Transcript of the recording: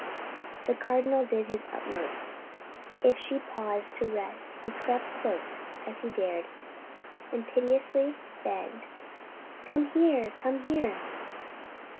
The Cardinal did his utmost. If she paused to rest, he crept close as he dared, and piteously begged: "Come here! Come here!"